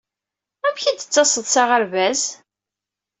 Amek ay d-tettaseḍ s aɣerbaz?